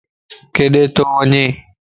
ڪيڏي تو وڃي؟